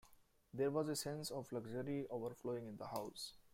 There was a sense of luxury overflowing in the house.